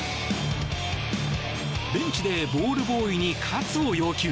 ベンチでボールボーイに喝を要求。